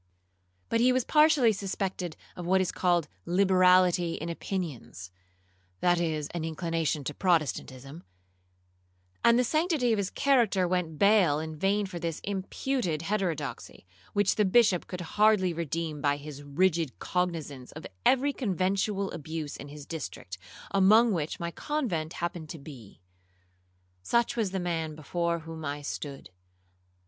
But he was partially suspected of what is called liberality in opinions, (that is, of an inclination to Protestantism), and the sanctity of his character went bail in vain for this imputed heterodoxy, which the Bishop could hardly redeem by his rigid cognizance of every conventual abuse in his district, among which my convent happened to be. Such was the man before whom I stood.